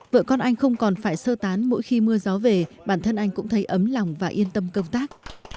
vợ con anh không còn phải sơ tán mỗi khi mưa gió về bản thân anh cũng thấy ấm lòng và yên tâm công tác